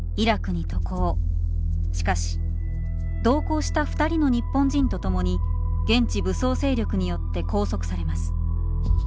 しかし同行した２人の日本人と共に現地武装勢力によって拘束されます。